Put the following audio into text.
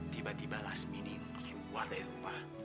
tiba tiba pasmini meruah dari rumah